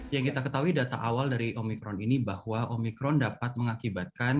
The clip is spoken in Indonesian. yang kita ketahui data awal dari omikron ini bahwa omikron dapat mengakibatkan